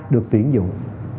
được tuyển dụng